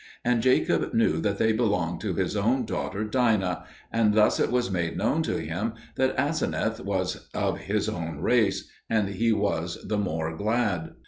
And Jacob knew that they belonged to his own daughter Dinah; and thus it was made known to him that Aseneth was of his own race, and he was the more glad.